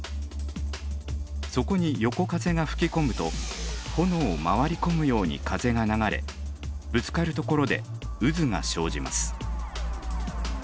そこに横風が吹き込むと炎を回り込むように風が流れぶつかるところで渦が生じます。